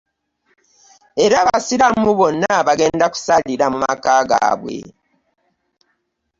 Era abasiraamu bonna bagenda kusaarira mu maka gaabwe.